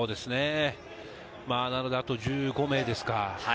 そうですね、なのであと１５名ですか。